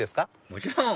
もちろん！